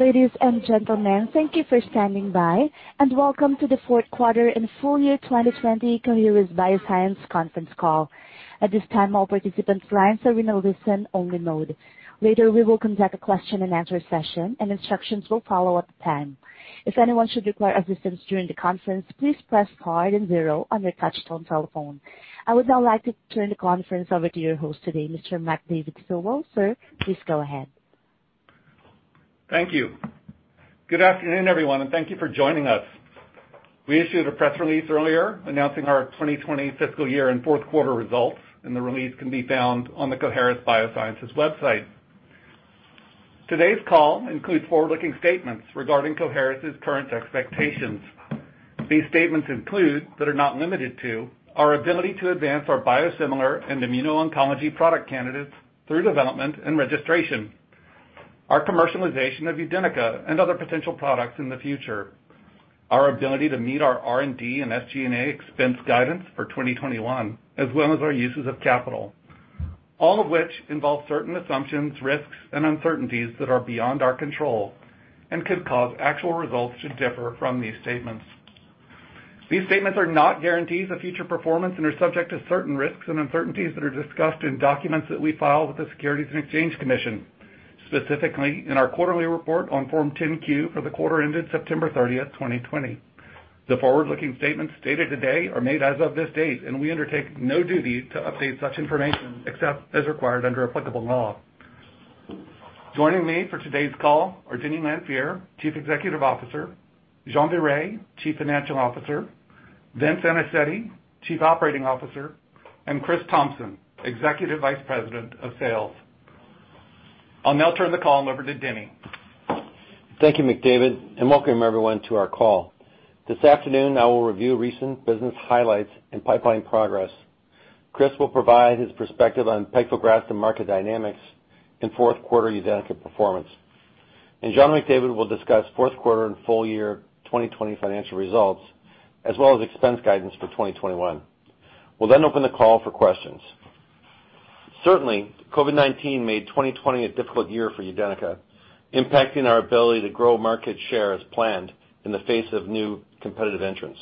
Ladies and gentlemen, thank you for standing by, and welcome to the fourth quarter and full-year 2020 Coherus BioSciences conference call. At this time, all participants' lines are in a listen-only mode. Later, we will conduct a question-and-answer session, and instructions will follow at the time. If anyone should require assistance during the conference, please press star and zero on your touch-tone telephone. I would now like to turn the conference over to your host today, Mr. McDavid Stilwell. Sir, please go ahead. Thank you. Good afternoon, everyone, and thank you for joining us. We issued a press release earlier announcing our 2020 fiscal year and fourth quarter results. The release can be found on the Coherus BioSciences website. Today's call includes forward-looking statements regarding Coherus's current expectations. These statements include, but are not limited to, our ability to advance our biosimilar and immuno-oncology product candidates through development and registration, our commercialization of UDENYCA and other potential products in the future, our ability to meet our R&D and SG&A expense guidance for 2021, as well as our uses of capital, all of which involve certain assumptions, risks, and uncertainties that are beyond our control and could cause actual results to differ from these statements. These statements are not guarantees of future performance and are subject to certain risks and uncertainties that are discussed in documents that we file with the Securities and Exchange Commission, specifically in our quarterly report on Form 10-Q for the quarter ended September 30th, 2020. The forward-looking statements stated today are made as of this date, and we undertake no duty to update such information except as required under applicable law. Joining me for today's call are Denny Lanfear, Chief Executive Officer, Jean-Frédéric Viret, Chief Financial Officer, Vince Anicetti, Chief Operating Officer, and Chris Thompson, Executive Vice President of Sales. I'll now turn the call over to Denny. Thank you, McDavid, and welcome, everyone, to our call. This afternoon, I will review recent business highlights and pipeline progress. Chris will provide his perspective on pegfilgrastim market dynamics and fourth quarter UDENYCA performance. McDavid will discuss fourth quarter and full-year 2020 financial results, as well as expense guidance for 2021. We'll open the call for questions. Certainly, COVID-19 made 2020 a difficult year for UDENYCA, impacting our ability to grow market share as planned in the face of new competitive entrants.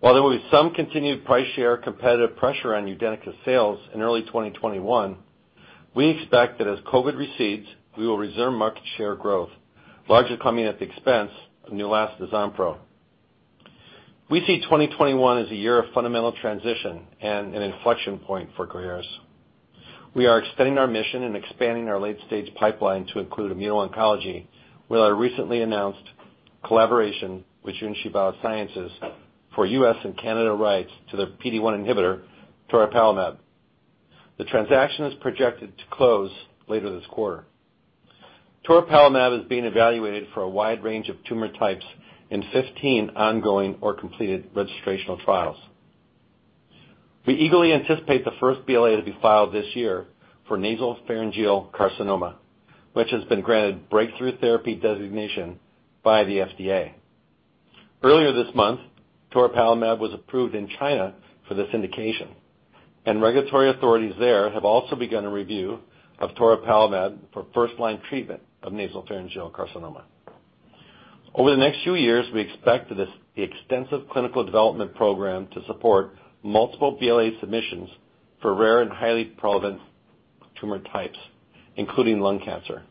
While there will be some continued price share competitive pressure on UDENYCA sales in early 2021, we expect that as COVID recedes, we will resume market share growth, largely coming at the expense of NEULASTA and Ziextenzo. We see 2021 as a year of fundamental transition and an inflection point for Coherus. We are extending our mission and expanding our late-stage pipeline to include immuno-oncology with our recently announced collaboration with Junshi Biosciences for U.S. and Canada rights to their PD-1 inhibitor, toripalimab. The transaction is projected to close later this quarter. Toripalimab is being evaluated for a wide range of tumor types in 15 ongoing or completed registrational trials. We eagerly anticipate the first BLA to be filed this year for nasopharyngeal carcinoma, which has been granted breakthrough therapy designation by the FDA. Earlier this month, toripalimab was approved in China for this indication. Regulatory authorities there have also begun a review of toripalimab for first-line treatment of nasopharyngeal carcinoma. Over the next few years, we expect the extensive clinical development program to support multiple BLA submissions for rare and highly prevalent tumor types, including lung cancer.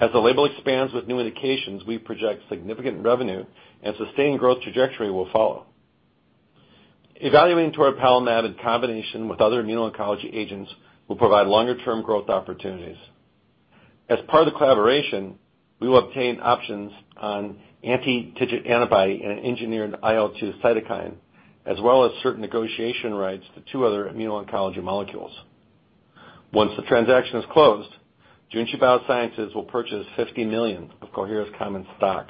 As the label expands with new indications, we project significant revenue and sustained growth trajectory will follow. Evaluating toripalimab in combination with other immuno-oncology agents will provide longer-term growth opportunities. As part of the collaboration, we will obtain options on anti-TIGIT antibody and an engineered IL-2 cytokine, as well as certain negotiation rights to two other immuno-oncology molecules. Once the transaction is closed, Junshi Biosciences will purchase $50 million of Coherus common stock,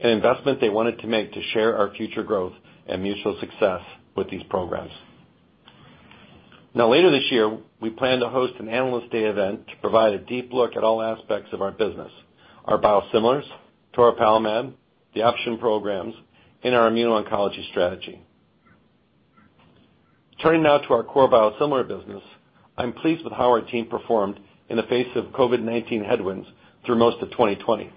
an investment they wanted to make to share our future growth and mutual success with these programs. Later this year, we plan to host an analyst day event to provide a deep look at all aspects of our business, our biosimilars, toripalimab, the option programs, and our immuno-oncology strategy. Turning now to our core biosimilar business, I'm pleased with how our team performed in the face of COVID-19 headwinds through most of 2020.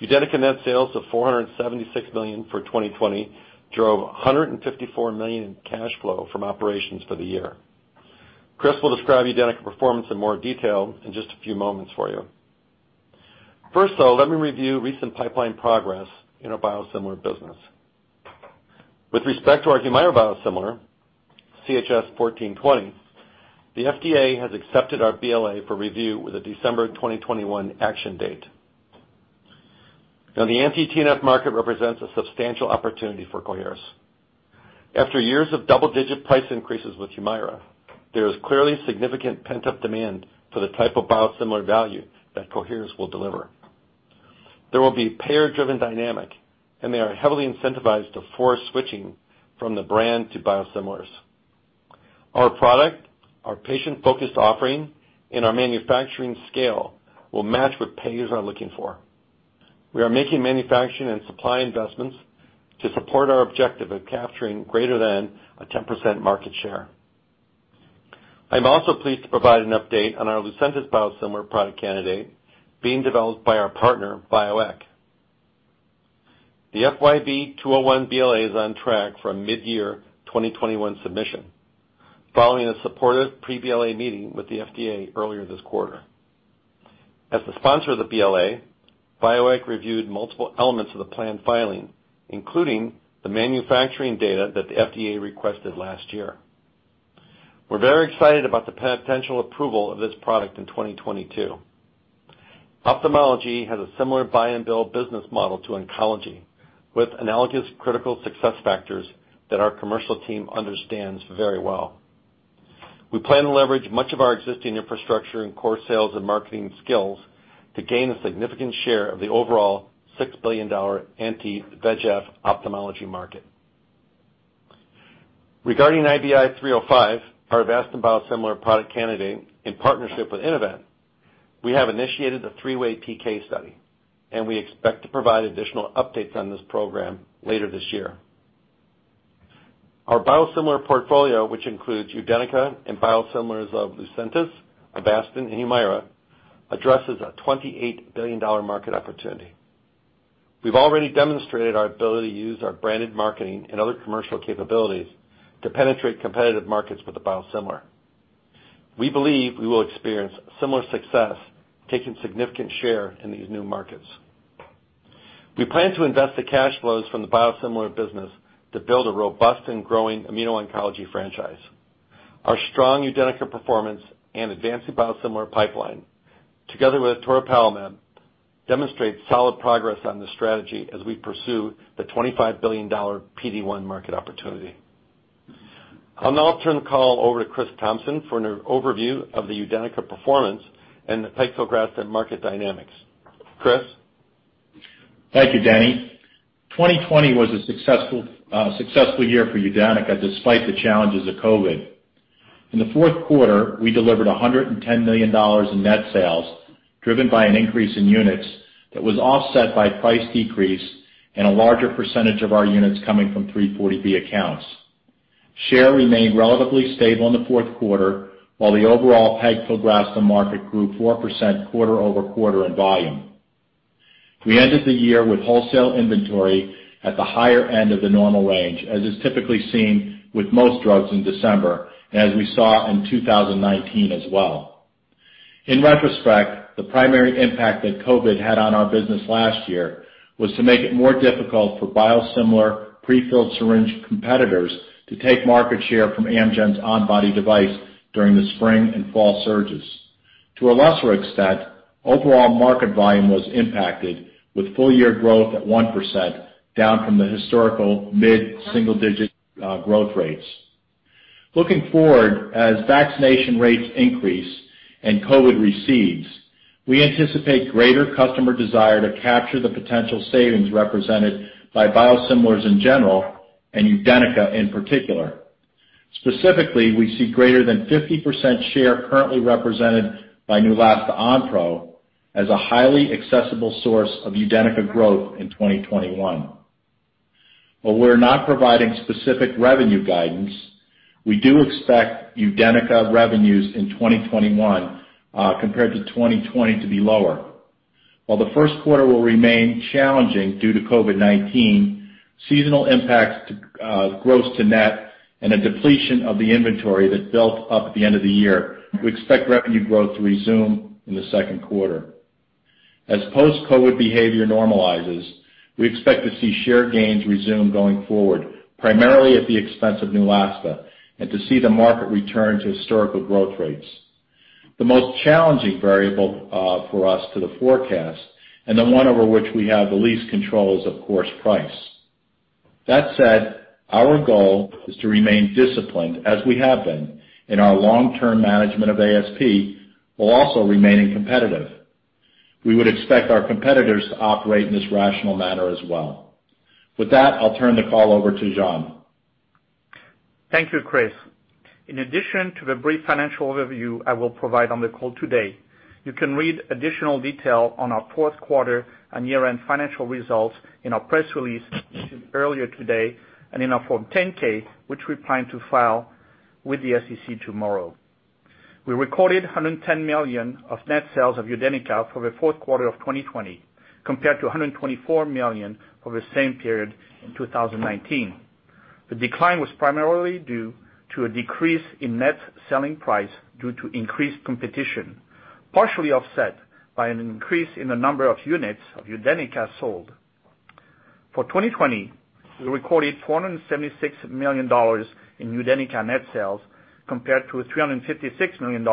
UDENYCA net sales of $476 million for 2020 drove $154 million in cash flow from operations for the year. Chris will describe UDENYCA performance in more detail in just a few moments for you. First, though, let me review recent pipeline progress in our biosimilar business. With respect to our Humira biosimilar, CHS-1420, the FDA has accepted our BLA for review with a December 2021 action date. The anti-TNF market represents a substantial opportunity for Coherus. After years of double-digit price increases with Humira, there is clearly significant pent-up demand for the type of biosimilar value that Coherus will deliver. There will be payer-driven dynamic, and they are heavily incentivized to force switching from the brand to biosimilars. Our product, our patient-focused offering, and our manufacturing scale will match what payers are looking for. We are making manufacturing and supply investments to support our objective of capturing greater than a 10% market share. I'm also pleased to provide an update on our Lucentis biosimilar product candidate being developed by our partner, Bioeq. The FYB201 BLA is on track for a mid-year 2021 submission following a supportive pre-BLA meeting with the FDA earlier this quarter. As the sponsor of the BLA, Bioeq reviewed multiple elements of the planned filing, including the manufacturing data that the FDA requested last year. We're very excited about the potential approval of this product in 2022. Ophthalmology has a similar buy-and-bill business model to oncology, with analogous critical success factors that our commercial team understands very well. We plan to leverage much of our existing infrastructure and core sales and marketing skills to gain a significant share of the overall $6 billion anti-VEGF ophthalmology market. Regarding IBI305, our Avastin biosimilar product candidate in partnership with Innovent, we have initiated the three-way PK study, we expect to provide additional updates on this program later this year. Our biosimilar portfolio, which includes UDENYCA and biosimilars of Lucentis, Avastin, and Humira, addresses a $28 billion market opportunity. We've already demonstrated our ability to use our branded marketing and other commercial capabilities to penetrate competitive markets with the biosimilar. We believe we will experience similar success, taking significant share in these new markets. We plan to invest the cash flows from the biosimilar business to build a robust and growing immuno-oncology franchise. Our strong UDENYCA performance and advancing biosimilar pipeline, together with toripalimab, demonstrate solid progress on this strategy as we pursue the $25 billion PD-1 market opportunity. I'll now turn the call over to Chris Thompson for an overview of the UDENYCA performance and the pegfilgrastim market dynamics. Chris? Thank you, Denny. 2020 was a successful year for UDENYCA, despite the challenges of COVID. In the fourth quarter, we delivered $110 million in net sales, driven by an increase in units that was offset by price decrease and a larger percentage of our units coming from 340B accounts. Share remained relatively stable in the fourth quarter, while the overall pegfilgrastim market grew 4% quarter-over-quarter in volume. We ended the year with wholesale inventory at the higher end of the normal range, as is typically seen with most drugs in December, and as we saw in 2019 as well. In retrospect, the primary impact that COVID had on our business last year was to make it more difficult for biosimilar prefilled syringe competitors to take market share from Amgen's on-body injector during the spring and fall surges. To a lesser extent, overall market volume was impacted, with full-year growth at 1% down from the historical mid-single-digit growth rates. Looking forward, as vaccination rates increase and COVID recedes, we anticipate greater customer desire to capture the potential savings represented by biosimilars in general and UDENYCA in particular. Specifically, we see greater than 50% share currently represented by NEULASTA Onpro as a highly accessible source of UDENYCA growth in 2021. While we're not providing specific revenue guidance, we do expect UDENYCA revenues in 2021 compared to 2020 to be lower. While the first quarter will remain challenging due to COVID-19, seasonal impacts to gross to net, and a depletion of the inventory that built up at the end of the year, we expect revenue growth to resume in the second quarter. As post-COVID behavior normalizes, we expect to see share gains resume going forward, primarily at the expense of NEULASTA, and to see the market return to historical growth rates. The most challenging variable for us to the forecast, and the one over which we have the least control is, of course, price. That said, our goal is to remain disciplined as we have been in our long-term management of ASP while also remaining competitive. We would expect our competitors to operate in this rational manner as well. With that, I'll turn the call over to Jean. Thank you, Chris. In addition to the brief financial overview I will provide on the call today, you can read additional detail on our fourth quarter and year-end financial results in our press release issued earlier today and in our Form 10-K, which we plan to file with the SEC tomorrow. We recorded $110 million of net sales of UDENYCA for the fourth quarter of 2020, compared to $124 million for the same period in 2019. The decline was primarily due to a decrease in net selling price due to increased competition, partially offset by an increase in the number of units of UDENYCA sold. For 2020, we recorded $476 million in UDENYCA net sales, compared to $356 million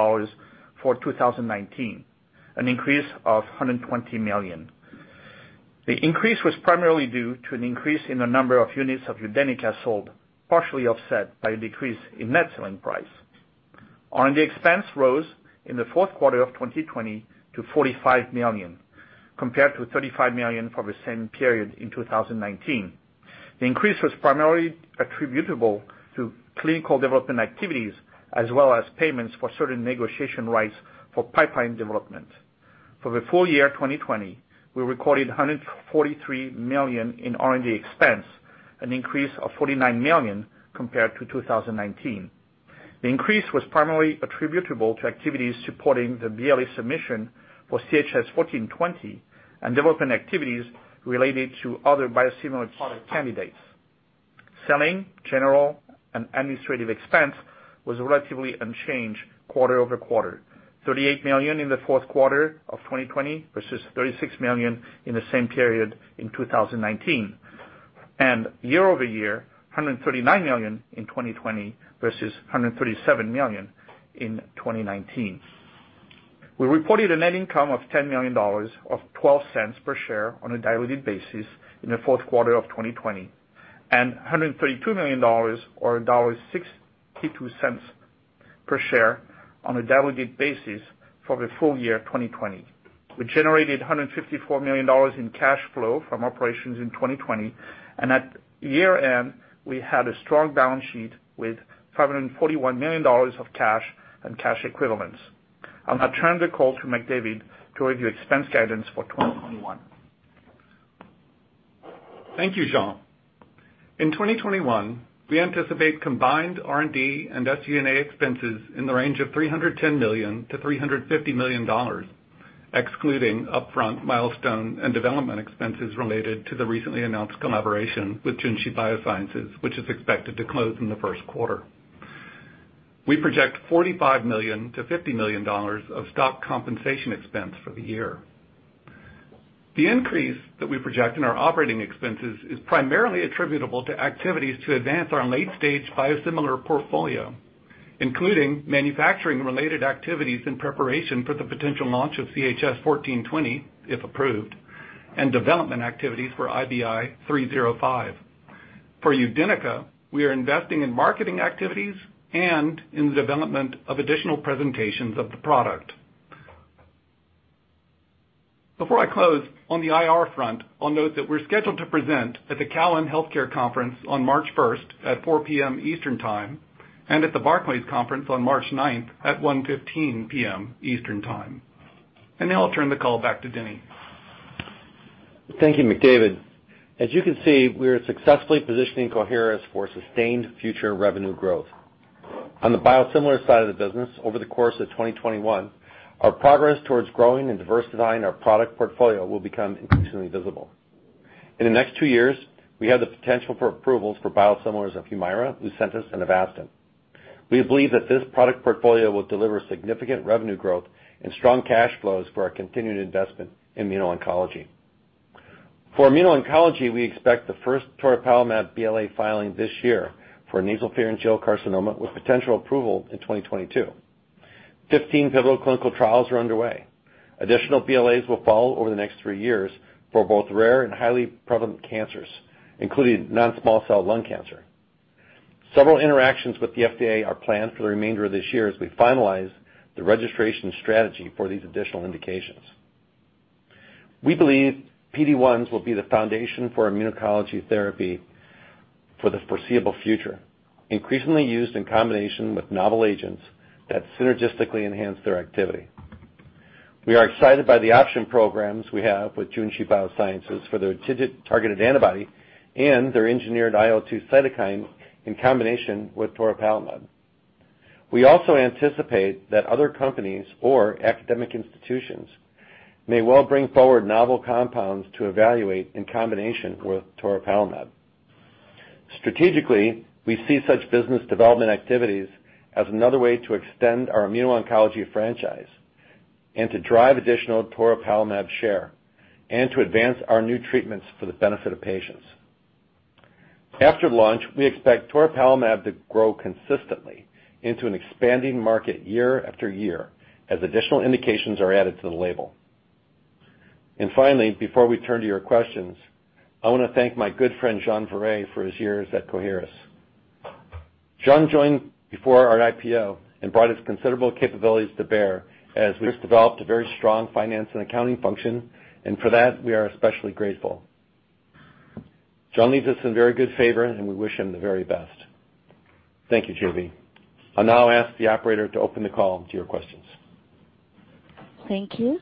for 2019, an increase of $120 million. The increase was primarily due to an increase in the number of units of UDENYCA sold, partially offset by a decrease in net selling price. R&D expense rose in the fourth quarter of 2020 to $45 million, compared to $35 million for the same period in 2019. The increase was primarily attributable to clinical development activities as well as payments for certain negotiation rights for pipeline development. For the full year 2020, we recorded $143 million in R&D expense, an increase of $49 million compared to 2019. The increase was primarily attributable to activities supporting the BLA submission for CHS-1420 and development activities related to other biosimilar product candidates. Selling, general, and administrative expense was relatively unchanged quarter-over-quarter, $38 million in the fourth quarter of 2020 versus $36 million in the same period in 2019. Year-over-year, $139 million in 2020 versus $137 million in 2019. We reported a net income of $10 million, or $0.12 per share on a diluted basis in the fourth quarter of 2020, and $132 million or $1.62 per share on a diluted basis for the full year 2020. We generated $154 million in cash flow from operations in 2020, and at year-end, we had a strong balance sheet with $541 million of cash and cash equivalents. I'll now turn the call to McDavid to review expense guidance for 2021. Thank you, Jean. In 2021, we anticipate combined R&D and SG&A expenses in the range of $310 million to $350 million, excluding upfront milestone and development expenses related to the recently announced collaboration with Junshi Biosciences, which is expected to close in the first quarter. We project $45 million to $50 million of stock compensation expense for the year. The increase that we project in our operating expenses is primarily attributable to activities to advance our late-stage biosimilar portfolio, including manufacturing-related activities in preparation for the potential launch of CHS-1420, if approved, and development activities for IBI305. For UDENYCA, we are investing in marketing activities and in the development of additional presentations of the product. Before I close, on the IR front, I'll note that we're scheduled to present at the Cowen Healthcare Conference on March 1st at 4:00 P.M. Eastern Time, and at the Barclays Global Healthcare Conference on March 9th at 1:15 P.M. Eastern Time. Now I'll turn the call back to Denny. Thank you, McDavid. As you can see, we are successfully positioning Coherus for sustained future revenue growth. On the biosimilar side of the business, over the course of 2021, our progress towards growing and diversifying our product portfolio will become increasingly visible. In the next two years, we have the potential for approvals for biosimilars of Humira, Lucentis, and Avastin. We believe that this product portfolio will deliver significant revenue growth and strong cash flows for our continued investment in immuno-oncology. For immuno-oncology, we expect the first toripalimab BLA filing this year for nasopharyngeal carcinoma, with potential approval in 2022. 15 pivotal clinical trials are underway. Additional BLAs will follow over the next three years for both rare and highly prevalent cancers, including non-small cell lung cancer. Several interactions with the FDA are planned for the remainder of this year as we finalize the registration strategy for these additional indications. We believe PD-1s will be the foundation for immuno-oncology therapy for the foreseeable future, increasingly used in combination with novel agents that synergistically enhance their activity. We are excited by the option programs we have with Junshi Biosciences for their TIGIT-targeted antibody and their engineered IL-2 cytokine in combination with toripalimab. We also anticipate that other companies or academic institutions may well bring forward novel compounds to evaluate in combination with toripalimab. Strategically, we see such business development activities as another way to extend our immuno-oncology franchise and to drive additional toripalimab share and to advance our new treatments for the benefit of patients. After launch, we expect toripalimab to grow consistently into an expanding market year after year as additional indications are added to the label. Finally, before we turn to your questions, I want to thank my good friend, Jean Viret, for his years at Coherus. Jean joined before our IPO and brought his considerable capabilities to bear as we've developed a very strong finance and accounting function, and for that, we are especially grateful. Jean leaves us in very good favor, and we wish him the very best. Thank you, JV. I'll now ask the operator to open the call to your questions. Thank you.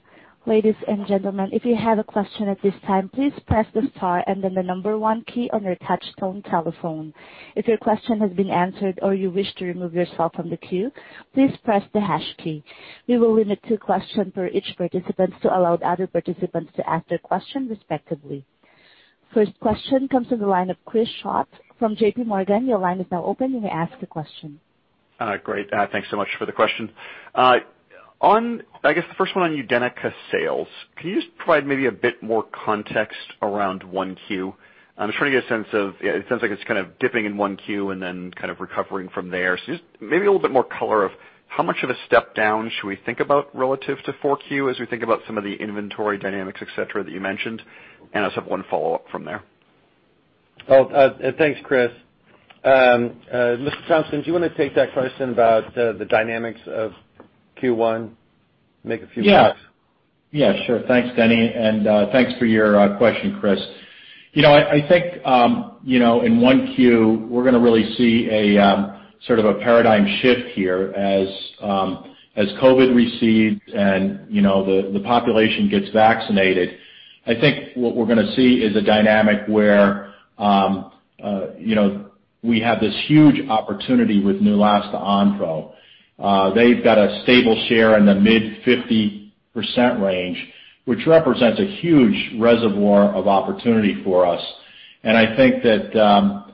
Ladies and gentlemen, if you have a question at this time, please press the star and then the number one key on your touchtone telephone. If your question has been answered or you wish to remove yourself from the queue, please press the hash key. We will limit two questions per each participant to allow other participants to ask their question respectively. First question comes from the line of Chris Schott from JP Morgan. Your line is now open. You may ask the question. Great. Thanks so much for the question. I guess the first one on UDENYCA sales, can you just provide maybe a bit more context around 1Q? I'm just trying to get a sense of, it sounds like it's kind of dipping in 1Q and then kind of recovering from there. Just maybe a little bit more color of how much of a step down should we think about relative to 4Q as we think about some of the inventory dynamics, et cetera, that you mentioned? I just have one follow-up from there. Thanks, Chris. Mr. Thompson, do you want to take that question about the dynamics of Q1? Yeah. Sure. Thanks, Denny, and thanks for your question, Chris. I think, in 1Q, we're going to really see a paradigm shift here as COVID recedes and the population gets vaccinated. I think what we're going to see is a dynamic where we have this huge opportunity with NEULASTA Onpro. They've got a stable share in the mid 50% range, which represents a huge reservoir of opportunity for us. I think that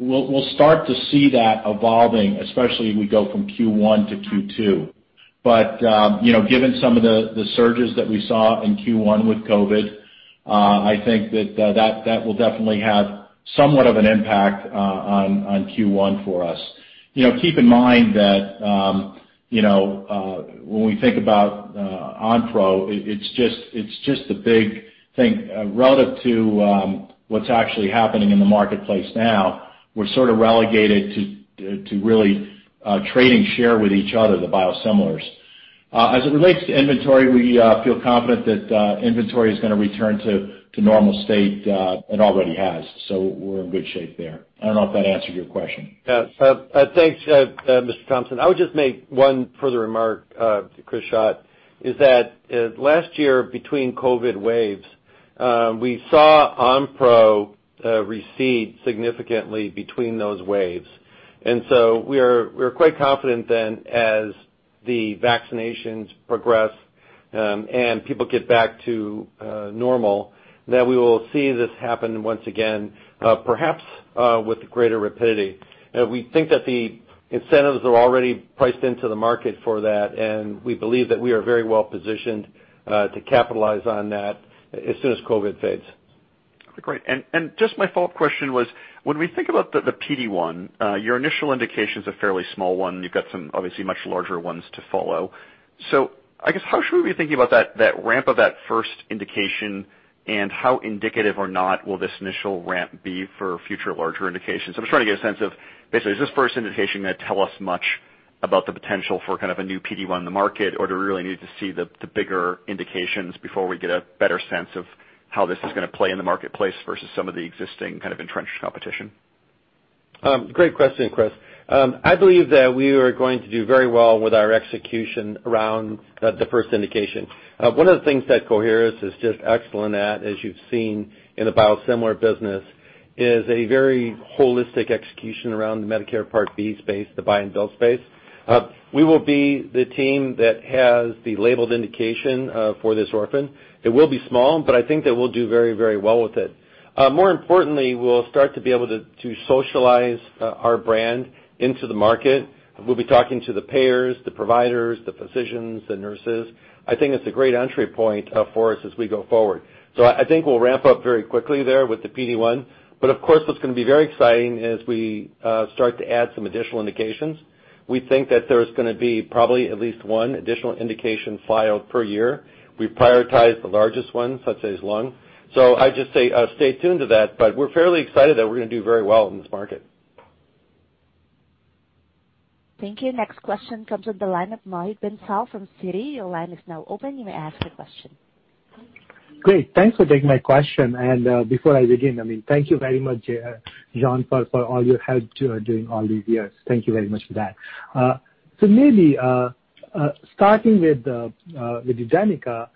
we'll start to see that evolving, especially as we go from Q1 to Q2. Given some of the surges that we saw in Q1 with COVID, I think that will definitely have somewhat of an impact on Q1 for us. Keep in mind that when we think about Onpro, it's just a big thing. Relative to what's actually happening in the marketplace now, we're sort of relegated to really trading share with each other, the biosimilars. As it relates to inventory, we feel confident that inventory is going to return to normal state. It already has, so we're in good shape there. I don't know if that answered your question. Thanks, Mr. Thompson. I would just make one further remark, Chris Schott, is that last year between COVID waves, we saw Onpro recede significantly between those waves. We are quite confident then as the vaccinations progress, and people get back to normal, that we will see this happen once again, perhaps with greater rapidity. We think that the incentives are already priced into the market for that, and we believe that we are very well positioned to capitalize on that as soon as COVID fades. Great. Just my follow-up question was, when we think about the PD-1, your initial indication's a fairly small one. You've got some obviously much larger ones to follow. I guess how should we be thinking about that ramp of that first indication, and how indicative or not will this initial ramp be for future larger indications? I'm just trying to get a sense of, basically, is this first indication going to tell us much about the potential for a new PD-1 in the market, or do we really need to see the bigger indications before we get a better sense of how this is going to play in the marketplace versus some of the existing kind of entrenched competition? Great question, Chris. I believe that we are going to do very well with our execution around the first indication. One of the things that Coherus is just excellent at, as you've seen in the biosimilar business, is a very holistic execution around the Medicare Part B space, the buy and bill space. We will be the team that has the labeled indication for this orphan. It will be small, but I think that we'll do very well with it. More importantly, we'll start to be able to socialize our brand into the market. We'll be talking to the payers, the providers, the physicians, the nurses. I think it's a great entry point for us as we go forward. I think we'll ramp up very quickly there with the PD-1. Of course, what's going to be very exciting is we start to add some additional indications. We think that there's going to be probably at least one additional indication filed per year. We prioritize the largest ones, let's say lung. I just say stay tuned to that, but we're fairly excited that we're going to do very well in this market. Thank you. Next question comes with the line of Mohit Bansal from Citi. Your line is now open. You may ask your question. Great. Thanks for taking my question. Before I begin, thank you very much, Jean, for all your help during all these years. Thank you very much for that. Maybe starting with UDENYCA,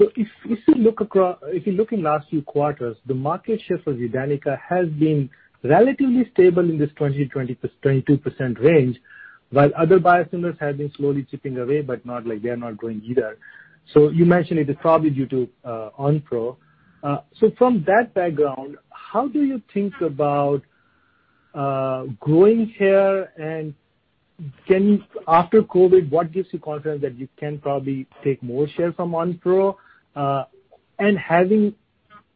if you look in last few quarters, the market share for UDENYCA has been relatively stable in this 20%-22% range, while other biosimilars have been slowly chipping away, but not like they're not growing either. You mentioned it is probably due to Onpro. From that background, how do you think about growing share, and after COVID, what gives you confidence that you can probably take more share from Onpro? Having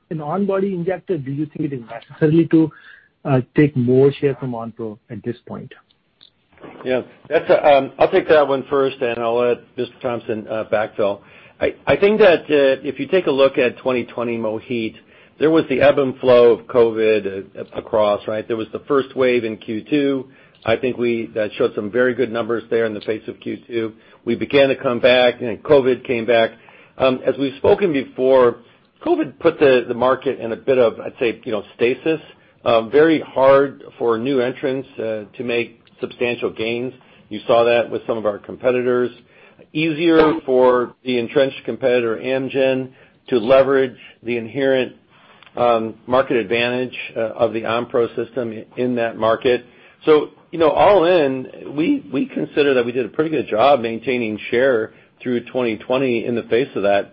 an on-body injector, do you think it is necessary to take more share from Onpro at this point? Yeah. I'll take that one first, and I'll let Mr. Thompson backfill. I think that if you take a look at 2020, Mohit, there was the ebb and flow of COVID across, right? There was the first wave in Q2. I think that showed some very good numbers there in the face of Q2. We began to come back, then COVID came back. As we've spoken before, COVID put the market in a bit of, I'd say stasis. Very hard for new entrants to make substantial gains. You saw that with some of our competitors. Easier for the entrenched competitor, Amgen, to leverage the inherent market advantage of the Onpro system in that market. All in, we consider that we did a pretty good job maintaining share through 2020 in the face of that.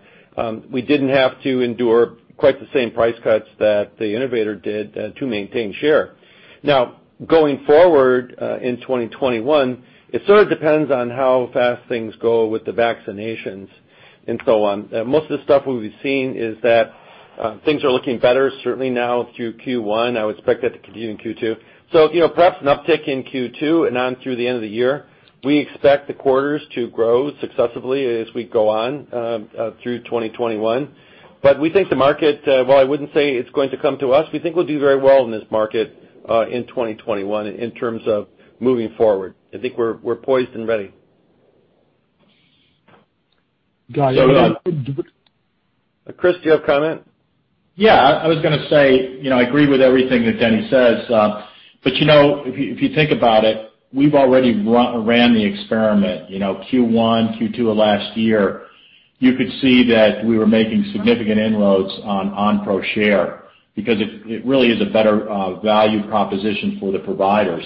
We didn't have to endure quite the same price cuts that the innovator did to maintain share. Going forward in 2021, it sort of depends on how fast things go with the vaccinations and so on. Most of the stuff we've been seeing is that things are looking better, certainly now through Q1. I would expect that to continue in Q2. Perhaps an uptick in Q2 and on through the end of the year. We expect the quarters to grow successively as we go on through 2021. We think the market, while I wouldn't say it's going to come to us, we think we'll do very well in this market in 2021 in terms of moving forward. I think we're poised and ready. Got it. Chris, do you have a comment? I was going to say, I agree with everything that Denny says. If you think about it, we've already ran the experiment. Q1, Q2 of last year, you could see that we were making significant inroads on Onpro share because it really is a better value proposition for the providers.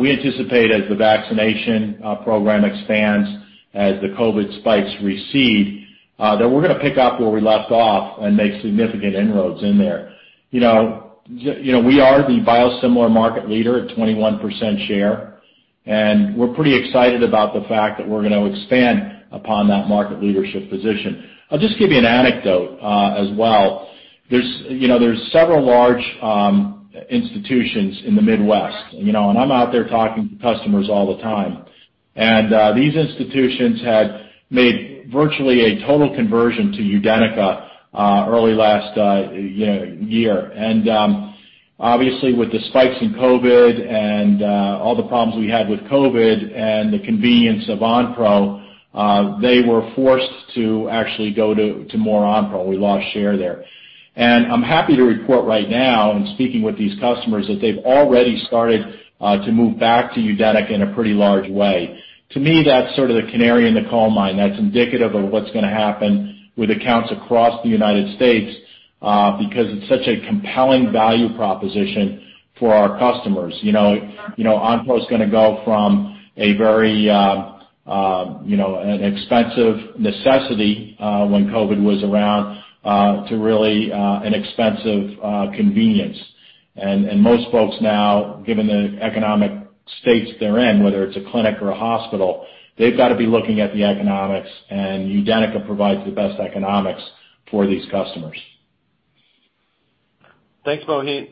We anticipate as the vaccination program expands, as the COVID spikes recede, that we're going to pick up where we left off and make significant inroads in there. We are the biosimilar market leader at 21% share, and we're pretty excited about the fact that we're going to expand upon that market leadership position. I'll just give you an anecdote as well. There's several large institutions in the Midwest. I'm out there talking to customers all the time. These institutions had made virtually a total conversion to UDENYCA early last year. Obviously with the spikes in COVID and all the problems we had with COVID and the convenience of Onpro, they were forced to actually go to more Onpro. We lost share there. I'm happy to report right now in speaking with these customers that they've already started to move back to UDENYCA in a pretty large way. To me, that's sort of the canary in the coal mine. That's indicative of what's going to happen with accounts across the U.S., because it's such a compelling value proposition for our customers. Onpro is going to go from a very expensive necessity, when COVID was around, to really an expensive convenience. Most folks now, given the economic states they're in, whether it's a clinic or a hospital, they've got to be looking at the economics, and UDENYCA provides the best economics for these customers. Thanks, Mohit.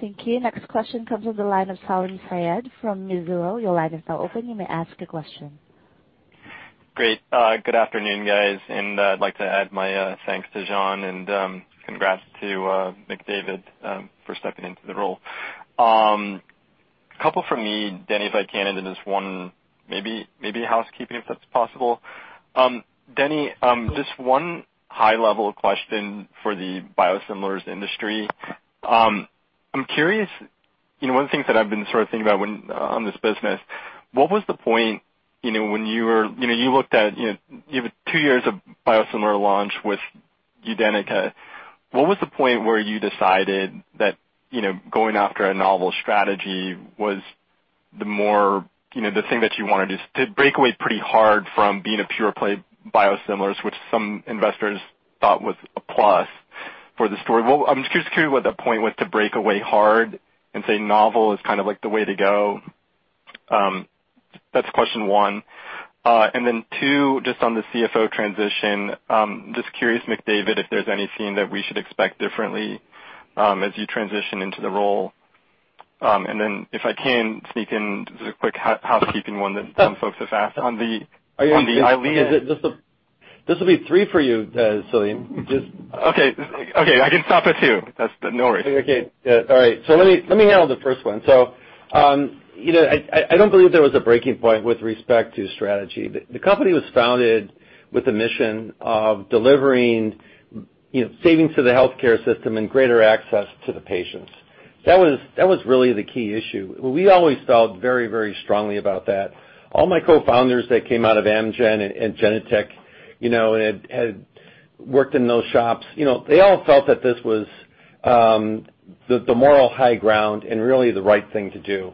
Thank you. Next question comes with the line of Salim Syed from Mizuho. Your line is now open. You may ask a question. Great. Good afternoon, guys. I'd like to add my thanks to Jean and congrats to McDavid for stepping into the role. A couple from me, Denny, if I can, and then there's one maybe housekeeping, if that's possible. Denny, just one high-level question for the biosimilars industry. I'm curious, one of the things that I've been sort of thinking about on this business, you have two years of biosimilar launch with UDENYCA, what was the point where you decided that going after a novel strategy was the thing that you wanted to breakaway pretty hard from being a pure-play biosimilars, which some investors thought was a plus for the story? Well, I'm just curious what the point was to break away hard and say novel is kind of like the way to go. That's question one. Two, just on the CFO transition, just curious, McDavid, if there's anything that we should expect differently as you transition into the role. If I can sneak in just a quick housekeeping one that some folks have asked on the EYLEA? This will be three for you, Salim. Okay. I can stop at two. No worries. Okay. Yeah. All right. Let me handle the first one. I don't believe there was a breaking point with respect to strategy. The company was founded with the mission of delivering savings to the healthcare system and greater access to the patients. That was really the key issue. We always felt very strongly about that. All my co-founders that came out of Amgen and Genentech had worked in those shops. They all felt that this was the moral high ground and really the right thing to do.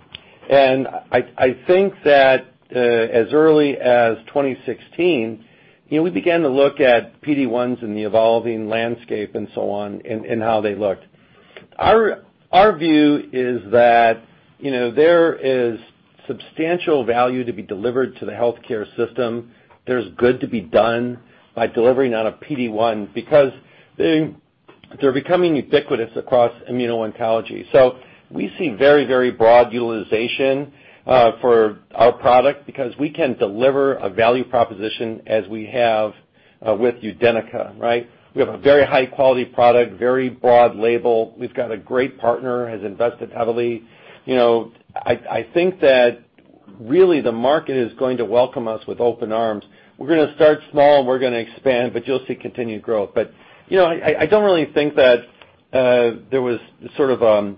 I think that as early as 2016, we began to look at PD-1s and the evolving landscape and so on, and how they looked. Our view is that there is substantial value to be delivered to the healthcare system. There's good to be done by delivering on a PD-1 because they're becoming ubiquitous across immuno-oncology. We see very broad utilization for our product because we can deliver a value proposition as we have with UDENYCA, right? We have a very high-quality product, very broad label. We've got a great partner, has invested heavily. I think that really the market is going to welcome us with open arms. We're going to start small and we're going to expand, but you'll see continued growth. I don't really think that there was sort of a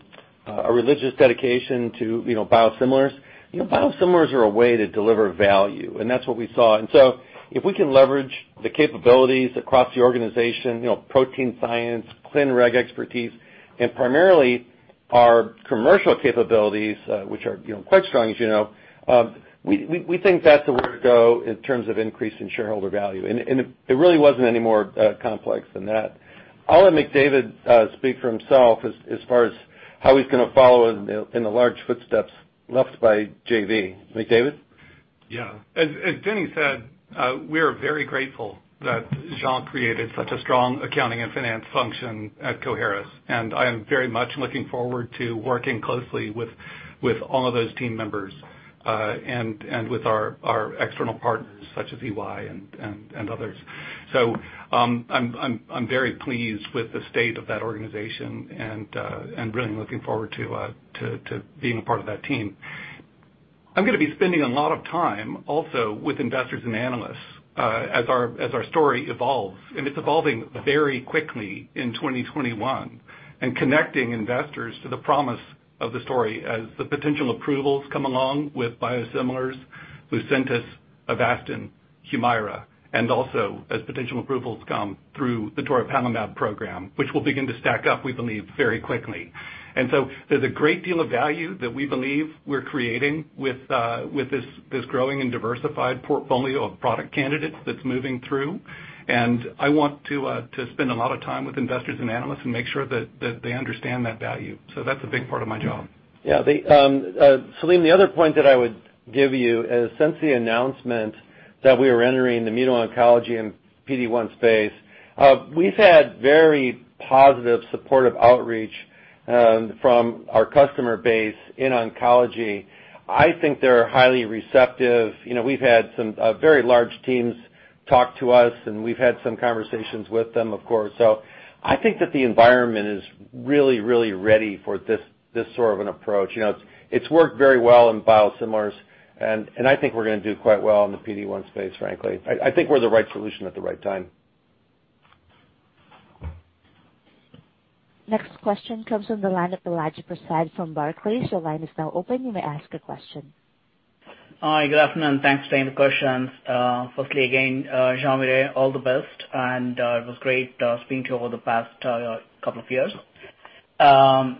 religious dedication to biosimilars. Biosimilars are a way to deliver value, and that's what we saw. If we can leverage the capabilities across the organization, protein science, clin reg expertise, and primarily our commercial capabilities, which are quite strong as you know, we think that's the way to go in terms of increasing shareholder value, and it really wasn't any more complex than that. I'll let McDavid speak for himself as far as how he's going to follow in the large footsteps left by JV. McDavid? As Denny said, we are very grateful that Jean created such a strong accounting and finance function at Coherus, and I am very much looking forward to working closely with all of those team members, and with our external partners such as EY and others. I'm very pleased with the state of that organization and really looking forward to being a part of that team. I'm going to be spending a lot of time also with investors and analysts as our story evolves. It's evolving very quickly in 2021, connecting investors to the promise of the story as the potential approvals come along with biosimilars, Lucentis, Avastin, Humira, also as potential approvals come through the toripalimab program, which will begin to stack up, we believe, very quickly. There's a great deal of value that we believe we're creating with this growing and diversified portfolio of product candidates that's moving through. I want to spend a lot of time with investors and analysts and make sure that they understand that value. That's a big part of my job. Yeah. Salim, the other point that I would give you is, since the announcement that we were entering the immuno-oncology and PD-1 space, we've had very positive, supportive outreach from our customer base in oncology. I think they are highly receptive. We've had some very large teams talk to us, and we've had some conversations with them, of course. I think that the environment is really ready for this sort of an approach. It's worked very well in biosimilars, and I think we're going to do quite well in the PD-1 space, frankly. I think we're the right solution at the right time. Next question comes from the line of Balaji Prasad from Barclays. Your line is now open. You may ask a question. Hi. Good afternoon. Thanks for taking the questions. Firstly, again, Jean, all the best, and it was great speaking to you over the past couple of years. Thank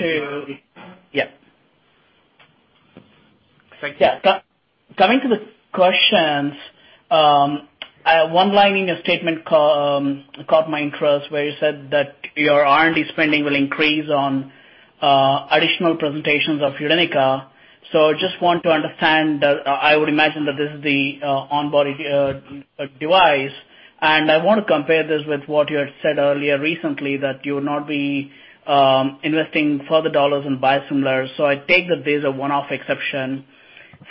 you. Yeah. Thank you. Coming to the questions, one line in your statement caught my interest, where you said that your R&D spending will increase on additional presentations of UDENYCA. Just want to understand, I would imagine that this is the on-body injector, and I want to compare this with what you had said earlier recently, that you would not be investing further dollars in biosimilars. I take that this is a one-off exception.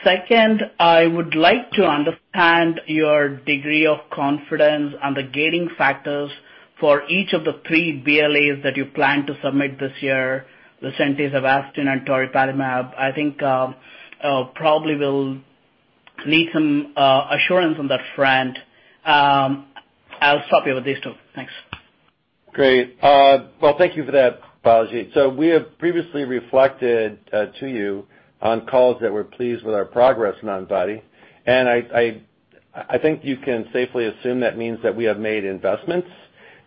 Second, I would like to understand your degree of confidence and the gating factors for each of the three BLAs that you plan to submit this year. Lucentis, Avastin, and toripalimab. I think probably will need some assurance on that front. I'll stop here with these two. Thanks. Great. Well, thank you for that, Balaji. We have previously reflected to you on calls that we're pleased with our progress in antibody, and I think you can safely assume that means that we have made investments,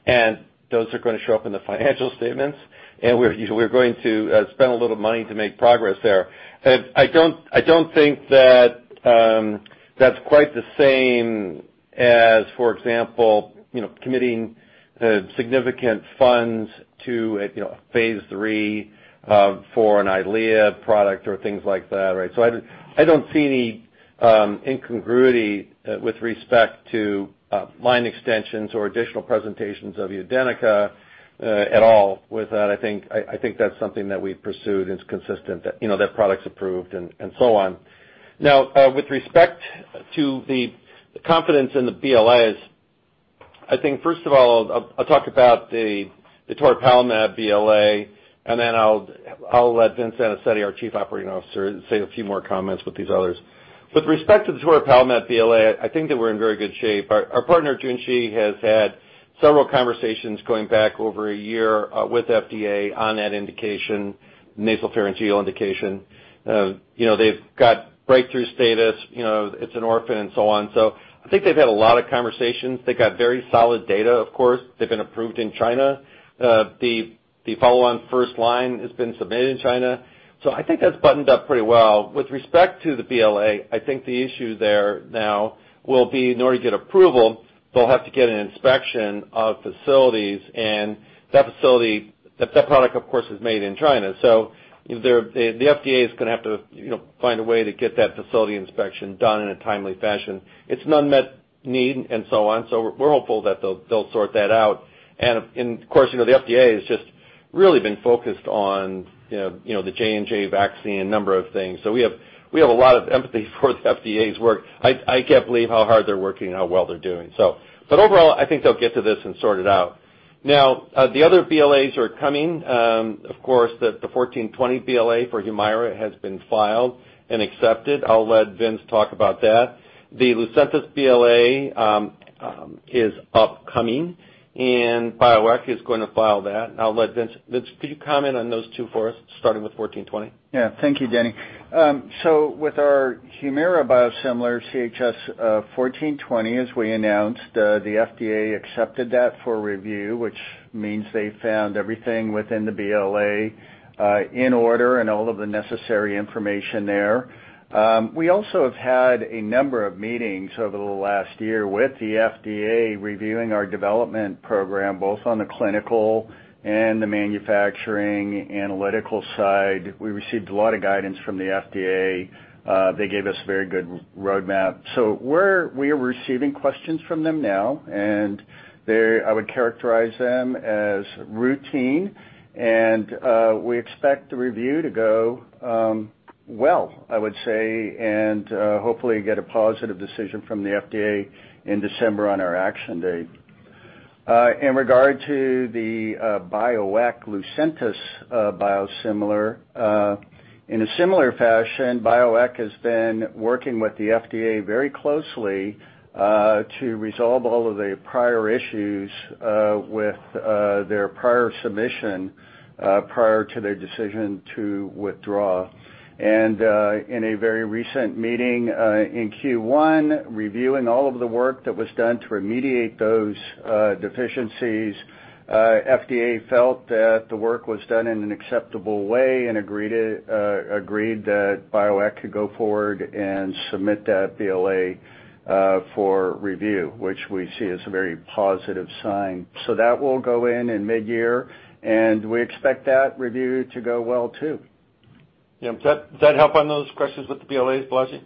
and those are going to show up in the financial statements, and we're going to spend a little money to make progress there. I don't think that's quite the same as, for example, committing significant funds to a phase III for an EYLEA product or things like that. I don't see any incongruity with respect to line extensions or additional presentations of UDENYCA at all with that. I think that's something that we've pursued and is consistent, that product's approved and so on. With respect to the confidence in the BLAs, I think first of all, I'll talk about the toripalimab BLA, then I'll let Vince Anicetti, our Chief Operating Officer, say a few more comments with these others. With respect to the toripalimab BLA, I think that we're in very good shape. Our partner, Junshi, has had several conversations going back over a year with FDA on that indication, nasopharyngeal indication. They've got breakthrough status. It's an orphan and so on. I think they've had a lot of conversations. They got very solid data, of course. They've been approved in China. The follow-on first line has been submitted in China. I think that's buttoned up pretty well. With respect to the BLA, I think the issue there now will be in order to get approval, they'll have to get an inspection of facilities, and that product, of course, is made in China. The FDA is going to have to find a way to get that facility inspection done in a timely fashion. It's an unmet need and so on. We're hopeful that they'll sort that out. Of course, the FDA has just really been focused on the J&J vaccine, a number of things. We have a lot of empathy for the FDA's work. I can't believe how hard they're working and how well they're doing. Overall, I think they'll get to this and sort it out. The other BLAs are coming. Of course, the 1420 BLA for Humira has been filed and accepted. I'll let Vince talk about that. The Lucentis BLA is upcoming, and Bioeq is going to file that, and I'll let Vince, could you comment on those two for us, starting with 1420? Thank you, Denny. With our Humira biosimilar, CHS-1420, as we announced, the FDA accepted that for review, which means they found everything within the BLA in order and all of the necessary information there. We also have had a number of meetings over the last year with the FDA reviewing our development program, both on the clinical and the manufacturing analytical side. We received a lot of guidance from the FDA. They gave us a very good roadmap. We are receiving questions from them now, and I would characterize them as routine, and we expect the review to go well, I would say, and hopefully get a positive decision from the FDA in December on our action date. In regard to the Bioeq Lucentis biosimilar, in a similar fashion, Bioeq has been working with the FDA very closely to resolve all of the prior issues with their prior submission, prior to their decision to withdraw. In a very recent meeting in Q1, reviewing all of the work that was done to remediate those deficiencies, FDA felt that the work was done in an acceptable way and agreed that Bioeq could go forward and submit that BLA for review, which we see as a very positive sign. That will go in in mid-year, and we expect that review to go well, too. Yeah. Does that help on those questions with the BLAs, Balaji?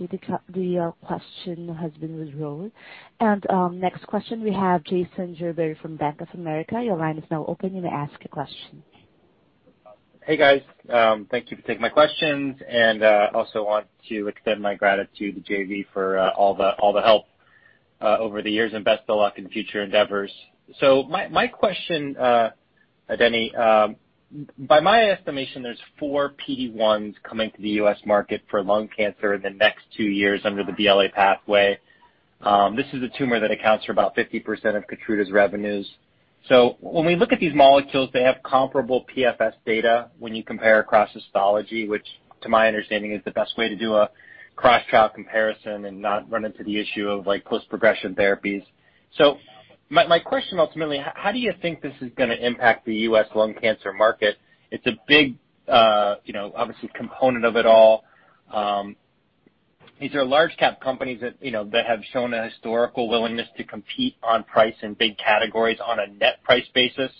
Okay. The question has been withdrawn. Next question, we have Jason Gerberry from Bank of America. Your line is now open. You may ask a question. Hey, guys. Thank you for taking my questions, and also want to extend my gratitude to J.V. for all the help over the years, and best of luck in future endeavors. My question, Denny. By my estimation, there's four PD-1s coming to the U.S. market for lung cancer in the next two years under the BLA pathway. This is a tumor that accounts for about 50% of KEYTRUDA's revenues. When we look at these molecules, they have comparable PFS data when you compare across histology, which to my understanding is the best way to do a cross trial comparison and not run into the issue of post-progression therapies. My question ultimately, how do you think this is gonna impact the U.S. lung cancer market? It's a big, obviously component of it all. These are large cap companies that have shown a historical willingness to compete on price in big categories on a net price basis.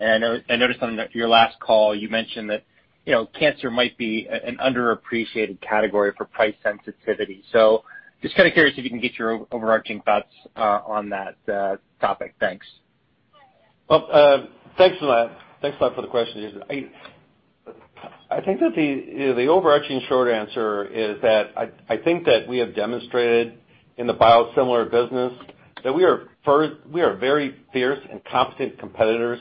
I noticed on your last call you mentioned that cancer might be an underappreciated category for price sensitivity. Just kind of curious if you can get your overarching thoughts on that topic. Thanks. Well, thanks a lot. Thanks a lot for the question, Jason. I think that the overarching short answer is that I think that we have demonstrated in the biosimilar business that we are very fierce and competent competitors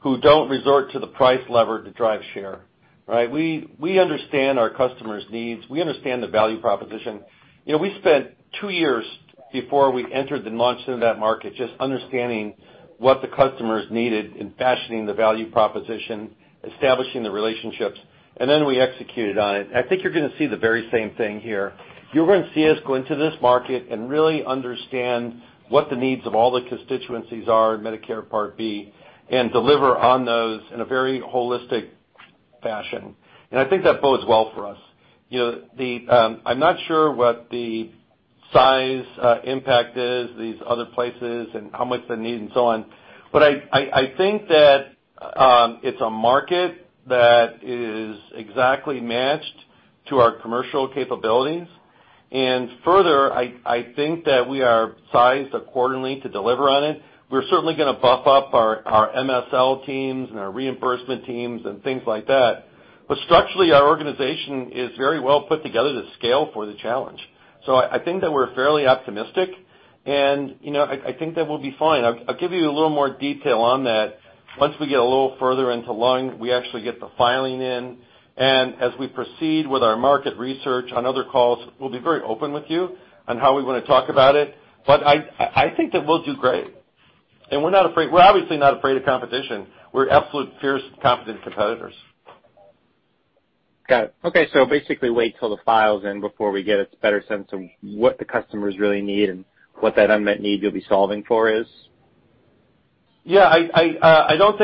who don't resort to the price lever to drive share, right? We understand our customers' needs. We understand the value proposition. We spent two years before we entered and launched into that market just understanding what the customers needed in fashioning the value proposition, establishing the relationships, and then we executed on it. I think you're gonna see the very same thing here. You're gonna see us go into this market and really understand what the needs of all the constituencies are in Medicare Part B and deliver on those in a very holistic fashion. I think that bodes well for us. I'm not sure what the size impact is these other places and how much they need and so on, but I think that it's a market that is exactly matched to our commercial capabilities. Further, I think that we are sized accordingly to deliver on it. We're certainly gonna buff up our MSL teams and our reimbursement teams and things like that. Structurally, our organization is very well put together to scale for the challenge. I think that we're fairly optimistic, and I think that we'll be fine. I'll give you a little more detail on that once we get a little further into lung, we actually get the filing in, and as we proceed with our market research on other calls, we'll be very open with you on how we wanna talk about it. I think that we'll do great. We're obviously not afraid of competition. We're absolute fierce, competent competitors. Got it. Basically wait till the file's in before we get a better sense of what the customers really need and what that unmet need you'll be solving for is? Yeah, I don't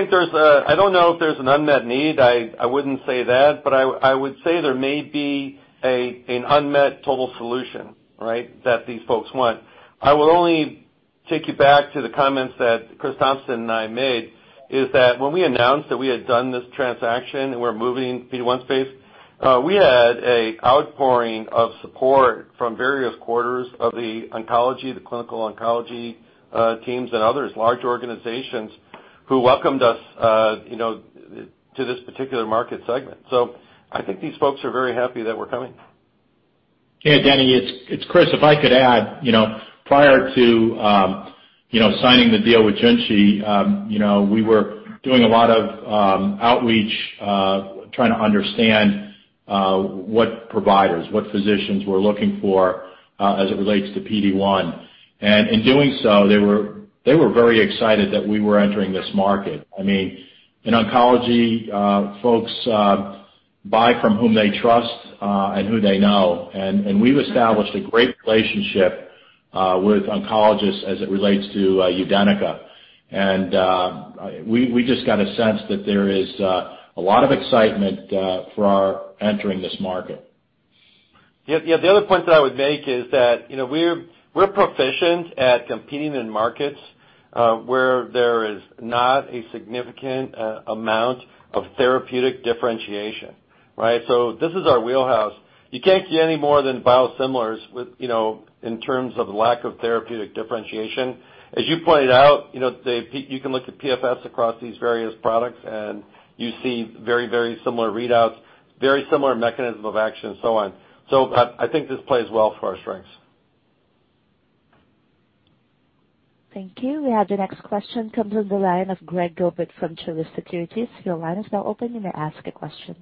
know if there's an unmet need. I wouldn't say that, but I would say there may be an unmet total solution, right, that these folks want. I will only take you back to the comments that Chris Thompson and I made, is that when we announced that we had done this transaction and we're moving PD-1 space, we had an outpouring of support from various quarters of the oncology, the clinical oncology teams and others, large organizations who welcomed us to this particular market segment. I think these folks are very happy that we're coming. Yeah, Denny, it's Chris. If I could add, prior to signing the deal with Junshi, we were doing a lot of outreach trying to understand what providers, what physicians were looking for as it relates to PD-1. In doing so, they were very excited that we were entering this market. In oncology, folks buy from whom they trust and who they know, and we've established a great relationship with oncologists as it relates to UDENYCA. We just got a sense that there is a lot of excitement for our entering this market. Yeah. The other point that I would make is that we're proficient at competing in markets where there is not a significant amount of therapeutic differentiation, right? This is our wheelhouse. You can't see any more than biosimilars in terms of lack of therapeutic differentiation. As you pointed out, you can look at PFS across these various products, and you see very, very similar readouts, very similar mechanism of action and so on. I think this plays well for our strengths. Thank you. We have the next question comes from the line of Greg Gilbert from Truist Securities. Your line is now open. You may ask a question.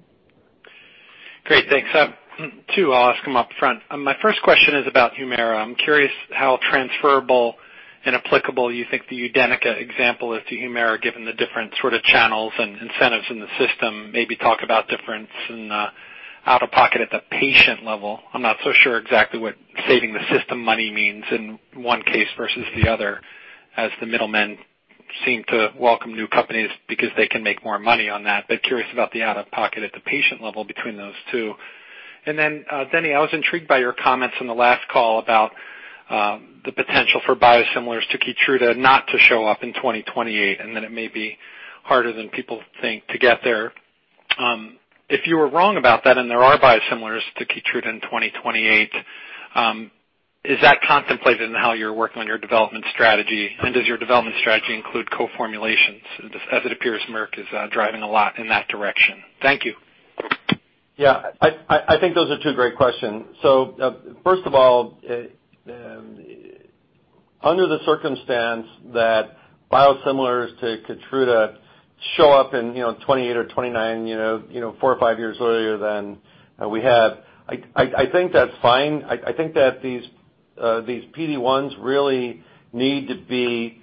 Great. Thanks. Two, I'll ask them up front. My first question is about Humira. I'm curious how transferable and applicable you think the UDENYCA example is to Humira, given the different sort of channels and incentives in the system. Maybe talk about difference in the out-of-pocket at the patient level. I'm not so sure exactly what saving the system money means in one case versus the other, as the middlemen seem to welcome new companies because they can make more money on that. Curious about the out-of-pocket at the patient level between those two. Denny, I was intrigued by your comments on the last call about the potential for biosimilars to KEYTRUDA not to show up in 2028, and that it may be harder than people think to get there. If you were wrong about that, there are biosimilars to KEYTRUDA in 2028, is that contemplated in how you're working on your development strategy? Does your development strategy include co-formulations, as it appears Merck is driving a lot in that direction? Thank you. Yeah. I think those are two great questions. First of all, under the circumstance that biosimilars to KEYTRUDA show up in 2028 or 2029, four or five years earlier than we have, I think that's fine. I think that these PD-1s really need to be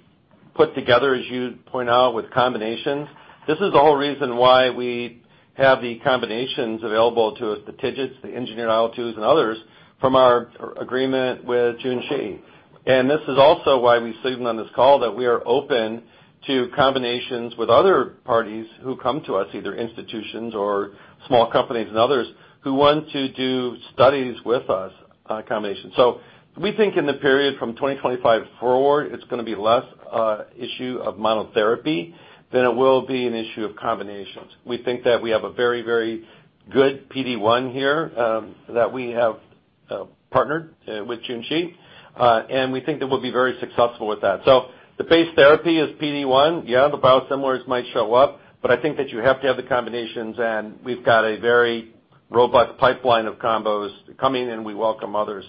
put together, as you point out, with combinations. This is the whole reason why we have the combinations available to us, the TIGITs, the engineered IL-2s, and others from our agreement with Junshi. This is also why we signal on this call that we are open to combinations with other parties who come to us, either institutions or small companies, and others who want to do studies with us on combinations. We think in the period from 2025 forward, it's going to be less issue of monotherapy than it will be an issue of combinations. We think that we have a very, very good PD-1 here, that we have partnered with Junshi, and we think that we'll be very successful with that. The base therapy is PD-1. Yeah, the biosimilars might show up, but I think that you have to have the combinations, and we've got a very robust pipeline of combos coming, and we welcome others.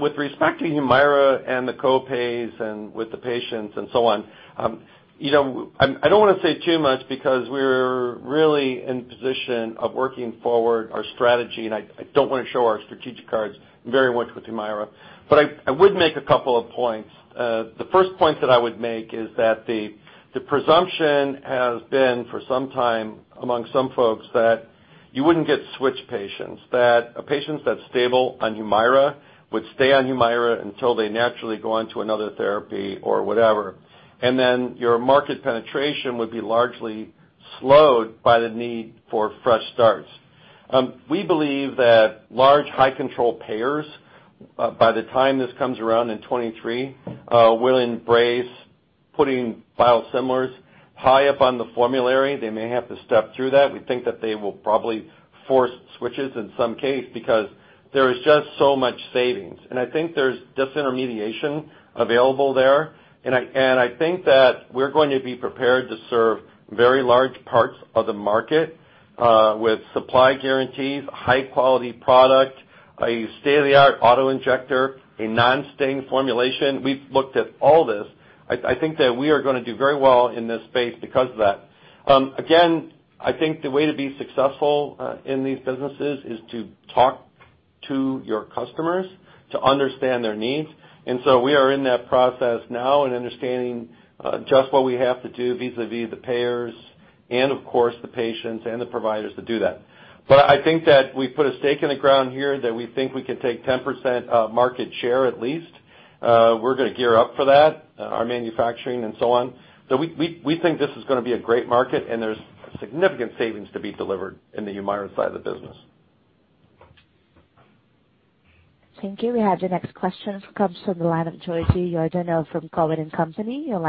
With respect to Humira and the co-pays and with the patients and so on, I don't want to say too much because we're really in position of working forward our strategy, and I don't want to show our strategic cards very much with Humira, but I would make a couple of points. The first point that I would make is that the presumption has been, for some time among some folks, that you wouldn't get switch patients, that patients that's stable on Humira would stay on Humira until they naturally go on to another therapy or whatever. Then your market penetration would be largely slowed by the need for fresh starts. We believe that large, high-control payers, by the time this comes around in 2023, will embrace putting biosimilars high up on the formulary. They may have to step through that. We think that they will probably force switches in some case because there is just so much savings. I think there's disintermediation available there. I think that we're going to be prepared to serve very large parts of the market, with supply guarantees, high-quality product, a state-of-the-art auto-injector, a non-sting formulation. We've looked at all this. I think that we are going to do very well in this space because of that. Again, I think the way to be successful in these businesses is to talk to your customers to understand their needs. We are in that process now and understanding just what we have to do vis-à-vis the payers and of course, the patients and the providers to do that. I think that we've put a stake in the ground here that we think we can take 10% of market share, at least. We're going to gear up for that, our manufacturing and so on. We think this is going to be a great market, and there's significant savings to be delivered in the Humira side of the business. Thank you. We have the next question, comes from the line of Georgi Yordanov from Cowen and Company. Hey,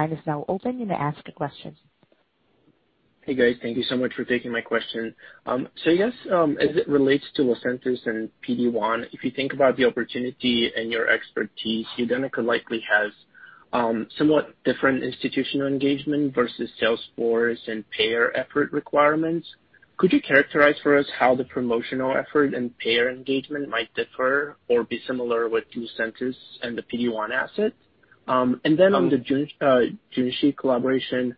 guys. Thank you so much for taking my question. Yes, as it relates to Lucentis and PD-1, if you think about the opportunity and your expertise, UDENYCA likely has somewhat different institutional engagement versus sales force and payer effort requirements. Could you characterize for us how the promotional effort and payer engagement might differ or be similar with Lucentis and the PD-1 asset? Then on the Junshi collaboration,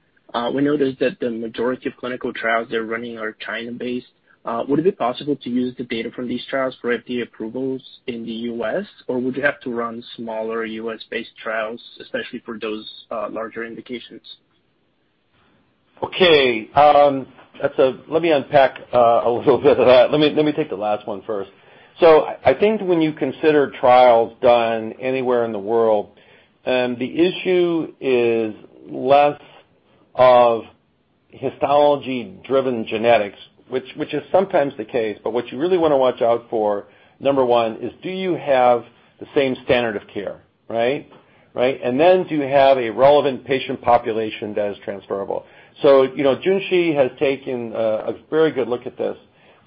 we noticed that the majority of clinical trials they're running are China-based. Would it be possible to use the data from these trials for FDA approvals in the U.S., or would you have to run smaller U.S.-based trials, especially for those larger indications? Okay. Let me unpack a little bit of that. Let me take the last one first. I think when you consider trials done anywhere in the world, the issue is less of histology-driven genetics, which is sometimes the case, but what you really want to watch out for, number one, is do you have the same standard of care, right? Do you have a relevant patient population that is transferable? Junshi has taken a very good look at this.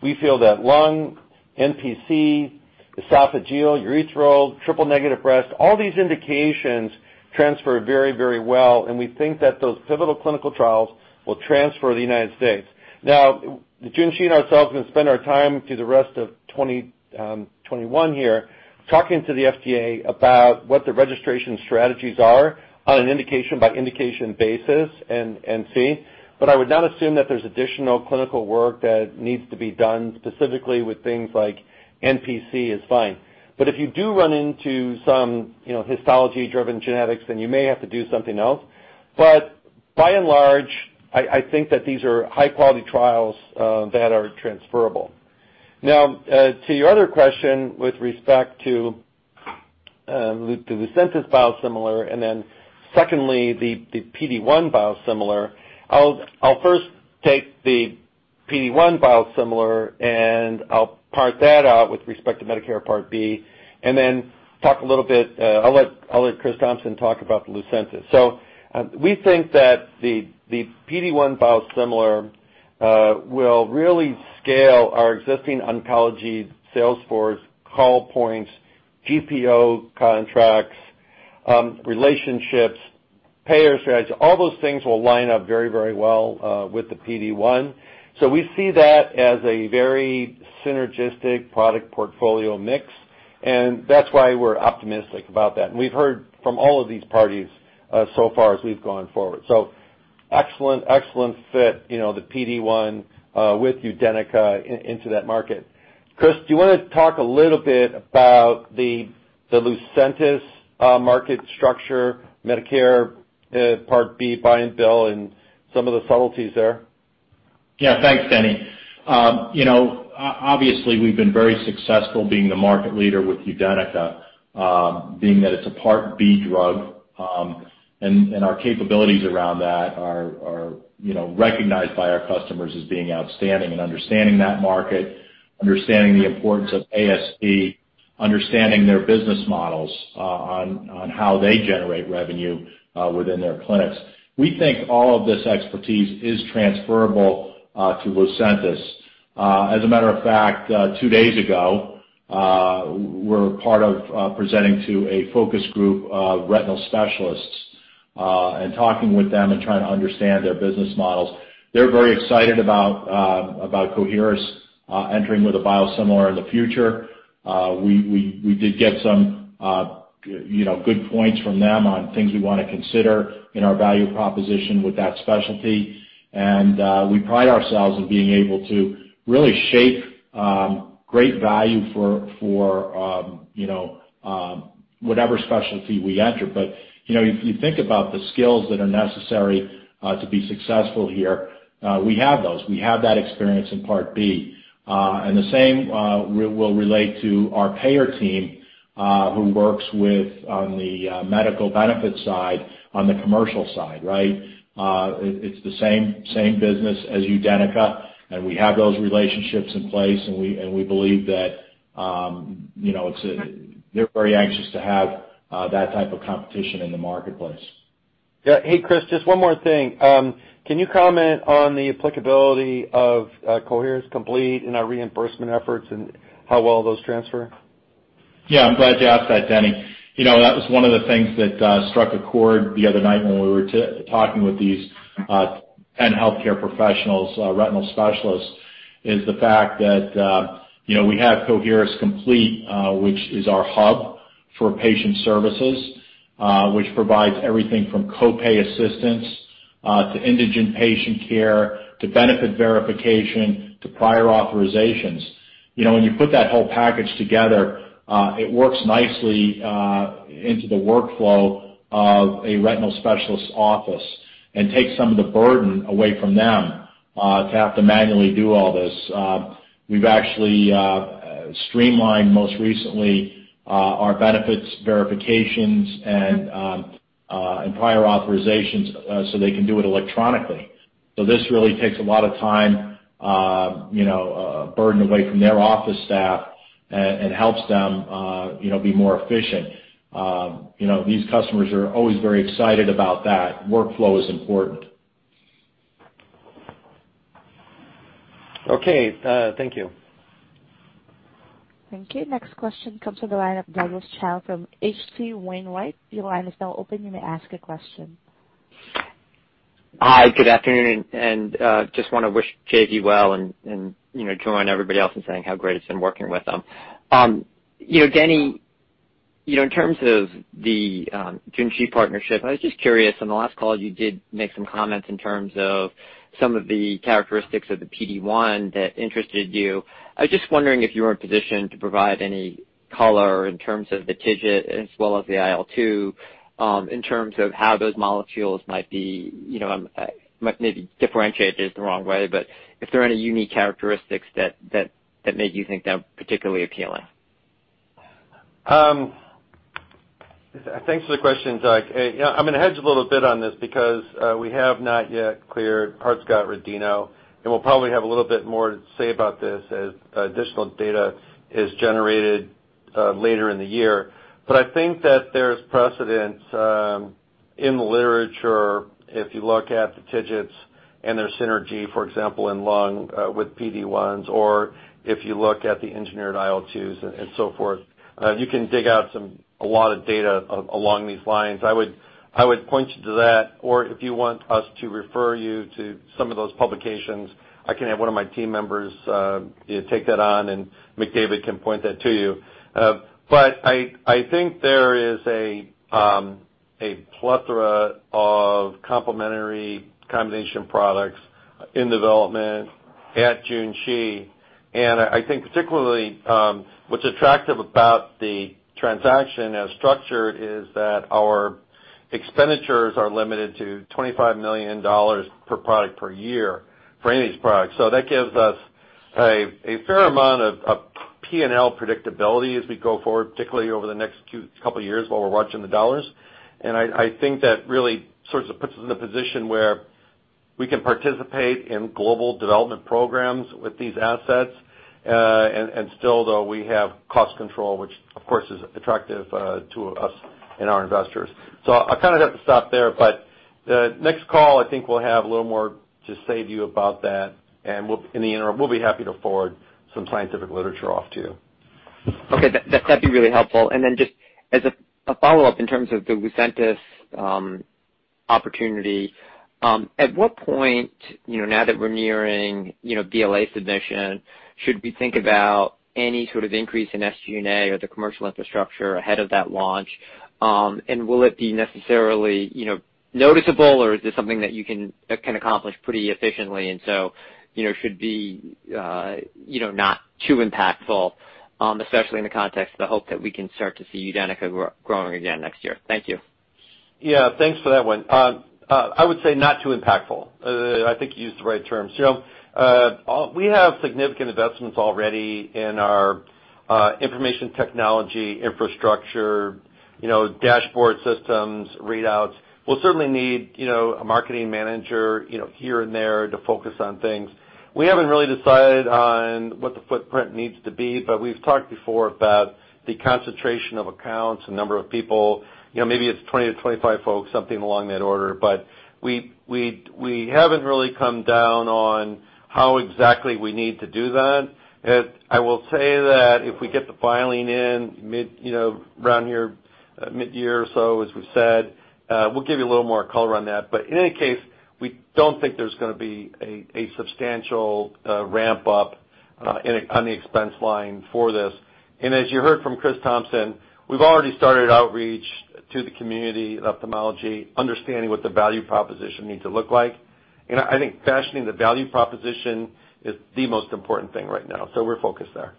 We feel that lung, NPC, esophageal, urothelial, triple-negative breast cancer, all these indications transfer very well, and we think that those pivotal clinical trials will transfer to the U.S. Now, Junshi and ourselves are going to spend our time through the rest of 2021 here talking to the FDA about what the registration strategies are on an indication-by-indication basis and see. I would not assume that there's additional clinical work that needs to be done specifically with things like NPC is fine. If you do run into some histology-driven genetics, then you may have to do something else. By and large, I think that these are high-quality trials that are transferable. Now, to your other question with respect to Lucentis biosimilar and then secondly, the PD-1 biosimilar, I'll first take the PD-1 biosimilar, and I'll part that out with respect to Medicare Part B and then talk a little bit I'll let Chris Thompson talk about the Lucentis. We think that the PD-1 biosimilar will really scale our existing oncology sales force, call points, GPO contracts, relationships, payer strategy. All those things will line up very well with the PD-1. We see that as a very synergistic product portfolio mix, and that's why we're optimistic about that. We've heard from all of these parties so far as we've gone forward. Excellent fit, the PD-1 with UDENYCA into that market. Chris, do you want to talk a little bit about the Lucentis market structure, Medicare Part B buy and bill, and some of the subtleties there? Thanks, Denny. Obviously, we've been very successful being the market leader with UDENYCA, being that it's a Medicare Part B drug. Our capabilities around that are recognized by our customers as being outstanding and understanding that market, understanding the importance of ASP, understanding their business models on how they generate revenue within their clinics. We think all of this expertise is transferable to Lucentis. As a matter of fact, two days ago, we were part of presenting to a focus group of retinal specialists and talking with them and trying to understand their business models. They're very excited about Coherus entering with a biosimilar in the future. We did get some good points from them on things we want to consider in our value proposition with that specialty. We pride ourselves on being able to really shape great value for whatever specialty we enter. If you think about the skills that are necessary to be successful here, we have those. We have that experience in Part B. The same will relate to our payer team who works with on the medical benefits side, on the commercial side, right? It's the same business as UDENYCA, and we have those relationships in place, and we believe that they're very anxious to have that type of competition in the marketplace. Yeah. Hey, Chris, just one more thing. Can you comment on the applicability of Coherus COMPLETE in our reimbursement efforts and how well those transfer? Yeah, I'm glad you asked that, Denny. That was one of the things that struck a chord the other night when we were talking with these 10 healthcare professionals, retinal specialists, is the fact that we have Coherus COMPLETE, which is our hub for patient services, which provides everything from co-pay assistance to indigent patient care, to benefit verification, to prior authorizations. When you put that whole package together, it works nicely into the workflow of a retinal specialist's office and takes some of the burden away from them to have to manually do all this. We've actually streamlined most recently our benefits verifications and prior authorizations so they can do it electronically. This really takes a lot of time burden away from their office staff and helps them be more efficient. These customers are always very excited about that. Workflow is important. Okay. Thank you. Thank you. Next question comes from the line of Douglas Tsao from H.C. Wainwright. Your line is now open. You may ask a question. Hi, good afternoon. Just want to wish JV well and join everybody else in saying how great it's been working with them. Denny, in terms of the Junshi partnership, I was just curious, on the last call, you did make some comments in terms of some of the characteristics of the PD-1 that interested you. I was just wondering if you were in a position to provide any color in terms of the TIGIT as well as the IL-2 in terms of how those molecules might be, maybe differentiate is the wrong way, but if there are any unique characteristics that make you think they're particularly appealing. Thanks for the question, Doug. I'm going to hedge a little bit on this because we have not yet cleared PARPscout retino, and we'll probably have a little bit more to say about this as additional data is generated later in the year. I think that there's precedence in the literature, if you look at the TIGITs and their synergy, for example, in lung with PD-1s, or if you look at the engineered IL-2s and so forth, you can dig out a lot of data along these lines. I would point you to that, or if you want us to refer you to some of those publications, I can have one of my team members take that on, and McDavid can point that to you. I think there is a plethora of complementary combination products in development at Junshi, and I think particularly, what's attractive about the transaction as structured is that our expenditures are limited to $25 million per product per year for any of these products. That gives us a fair amount of P&L predictability as we go forward, particularly over the next couple of years while we're watching the dollars. I think that really sorts of puts us in a position where we can participate in global development programs with these assets. Still, though, we have cost control, which, of course, is attractive to us and our investors. I'll kind of have to stop there, but the next call, I think we'll have a little more to say to you about that, and in the interim, we'll be happy to forward some scientific literature off to you. Okay. That'd be really helpful. Just as a follow-up in terms of the Lucentis opportunity, at what point, now that we're nearing BLA submission, should we think about any sort of increase in SG&A or the commercial infrastructure ahead of that launch? Will it be necessarily noticeable, or is this something that you can accomplish pretty efficiently, and so should be not too impactful, especially in the context of the hope that we can start to see UDENYCA growing again next year? Thank you. Thanks for that one. I would say not too impactful. I think you used the right terms. We have significant investments already in our information technology infrastructure, dashboard systems, readouts. We'll certainly need a marketing manager here and there to focus on things. We haven't really decided on what the footprint needs to be. We've talked before about the concentration of accounts, the number of people. Maybe it's 20-25 folks, something along that order. We haven't really come down on how exactly we need to do that. I will say that if we get the filing in around mid-year or so, as we've said, we'll give you a little more color on that. In any case, we don't think there's going to be a substantial ramp-up on the expense line for this. As you heard from Chris Thompson, we've already started outreach to the community in ophthalmology, understanding what the value proposition needs to look like. I think fashioning the value proposition is the most important thing right now, so we're focused there.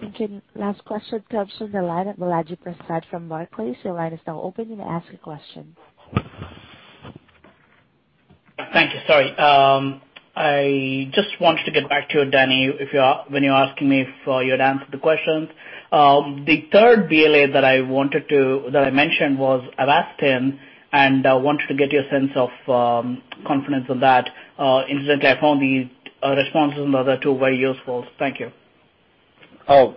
Thank you. Last question comes from the line of Balaji Prasad from Barclays. Your line is now open. You may ask your question. Thank you. Sorry. I just wanted to get back to you, Denny, when you were asking me for your answer to the questions. The third BLA that I mentioned was Avastin, and I wanted to get your sense of confidence on that. Incidentally, I found the responses on the other two very useful. Thank you. Oh,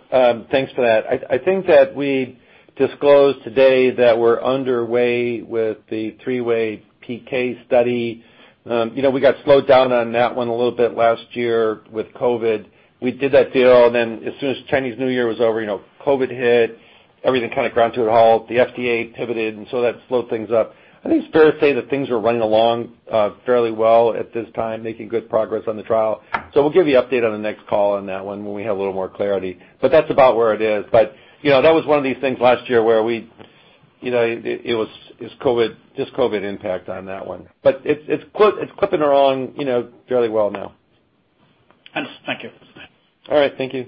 thanks for that. I think that we disclosed today that we're underway with the three-way PK study. We got slowed down on that one a little bit last year with COVID. We did that deal, and then as soon as Chinese New Year was over, COVID hit. Everything kind of ground to a halt. The FDA pivoted, and so that slowed things up. I think it's fair to say that things are running along fairly well at this time, making good progress on the trial. We'll give you update on the next call on that one when we have a little more clarity. That's about where it is. That was one of these things last year where it was just COVID impact on that one. It's clipping along fairly well now. Understood. Thank you. All right. Thank you.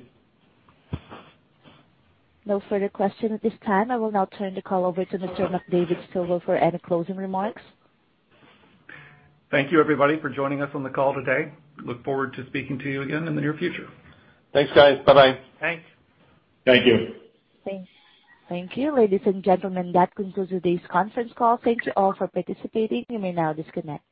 No further question at this time. I will now turn the call over to Mr. McDavid Stilwell for any closing remarks. Thank you, everybody, for joining us on the call today. Look forward to speaking to you again in the near future. Thanks, guys. Bye-bye. Thanks. Thank you. Thanks. Thank you, ladies and gentlemen. That concludes today's conference call. Thank you all for participating. You may now disconnect.